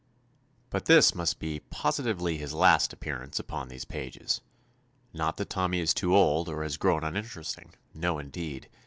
But this must be ''positively his last appearance" upon these pages. Not that Tommy is too old, or has grown uninteresting. No, indeed!